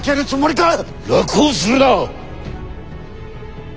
楽をするな！